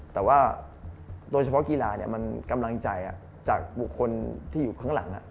แต่ว่าโดยเฉพาะกีฬามันกำลังใจจากบุคคลที่อยู่ข้างหลัง